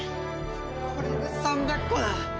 これで３００個だ！